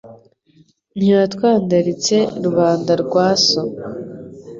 Ntiwatwandaritse Rubanda rwa so